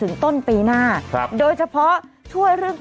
แล้วนั้นคุณก็จะได้รับเงินเข้าแอปเป๋าตังค์